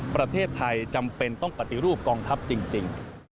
ประเทศไทยจำเป็นต้องปฏิรูปกองทัพจริง